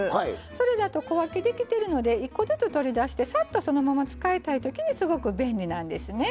それだと小分けできてるので１個ずつ取り出してサッとそのまま使いたいときにすごく便利なんですね。